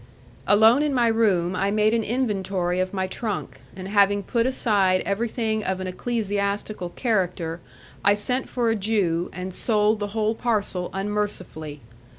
Alone in my room I made an inventory of my trunk, and having put aside everything of an ecclesiastical character, I sent for a Jew, and sold the whole parcel unmercifully.